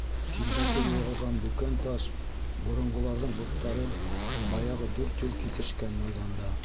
Килбәте юғалған бүкән таш — боронғоларҙың боттары баяғы дүрт юл киҫешкән майҙанда.